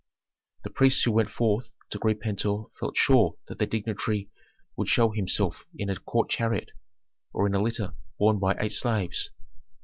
The priests who went forth to greet Pentuer felt sure that that dignitary would show himself in a court chariot, or in a litter borne by eight slaves.